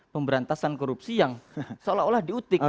pemberantasan korupsi yang seolah olah diutik